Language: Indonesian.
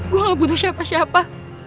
gue gak butuh siapa siapa